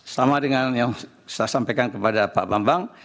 sama dengan yang saya sampaikan kepada pak bambang